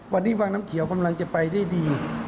วันนี้วังน้ำเขียวกำลังจะไปได้ดี